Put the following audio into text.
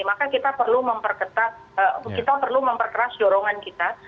maka kita perlu memperketat kita perlu memperkeras dorongan kita